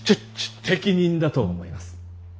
適任だと思います。